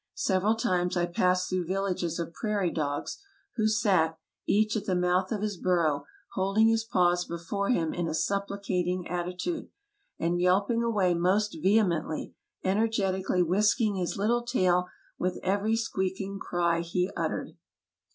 Several times I passed through villages of prairie dogs, who sat, each at the mouth of his burrow, hold ing his paws before him in a supplicating attitude, and yelp ing away most vehemently, energetically whisking his little tail with every squeaking cry he uttered.